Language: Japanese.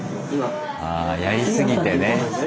あやりすぎてね。